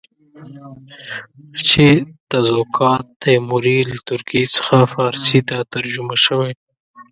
چې تزوکات تیموري له ترکي څخه فارسي ته ترجمه شوی.